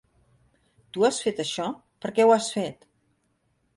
Tu has fet això? Per què ho has fet?